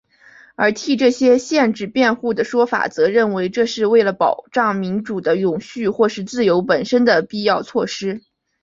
而替这些限制辩护的说法则认为这是为了保障民主的永续或是自由本身的必要措施。